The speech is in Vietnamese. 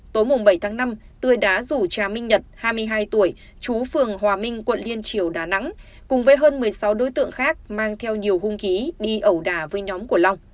tối bảy tháng năm tươi đã rủ trà minh nhật hai mươi hai tuổi chú phường hòa minh quận liên triều đà nẵng cùng với hơn một mươi sáu đối tượng khác mang theo nhiều hung khí đi ẩu đà với nhóm của long